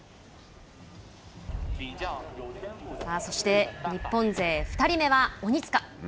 そして日本勢２人目は鬼塚。